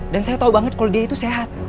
dan saya tahu banget kalau dia itu sehat